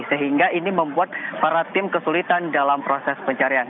sehingga ini membuat para tim kesulitan dalam proses pencarian